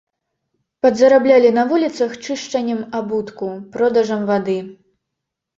Падзараблялі на вуліцах чышчаннем абутку, продажам вады.